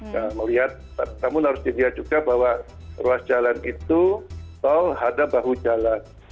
yang melihat namun harus dilihat juga bahwa ruas jalan itu tol ada bahu jalan